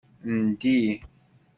Ndi.